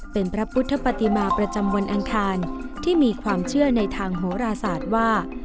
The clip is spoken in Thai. เป็นพระพุทธปฏิมาประจำวันอังคารที่มีความเชื่อในทางโหราศาสตร์ว่า